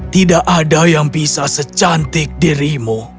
tidak ada yang bisa secantik dirimu